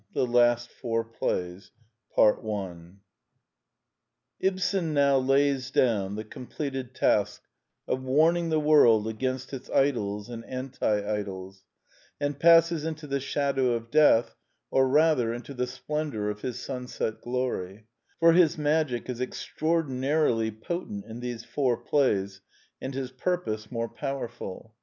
THE LAST FOUR PLAYS Down among the Dead Men Ibsen now lays down the completed task of warn ing the world against its idols and anti idols, and passes into the shadow of death, or rather into the splendor of his sunset glory; for his magic is extraordinarily potent in these four plays, and his purpose more powerful.